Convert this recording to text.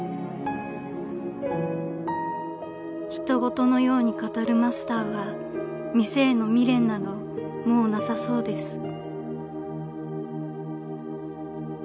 ［人ごとのように語るマスターは店への未練などもうなさそうです］